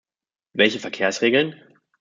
Welche Verkehrsregeln?